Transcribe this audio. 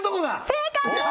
正解！